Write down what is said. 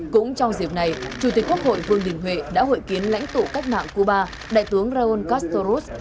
cũng trong dịp này chủ tịch quốc hội vương đình huệ đã hội kiến lãnh tụ cách mạng cuba đại tướng raúl castroz